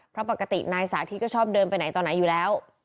เพราะปกตินายสาธิตก็ชอบเดินไปไหนต่อไหนอยู่แล้ว